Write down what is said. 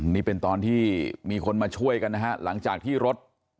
นี่เป็นตอนที่มีคนมาช่วยกันนะฮะหลังจากที่รถ